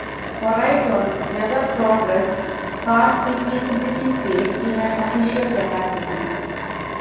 Horizon never progressed past the feasibility stage in an official capacity.